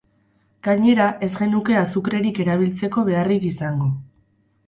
Gainera ez genuke azukrerik erabiltzeko beharrik izango.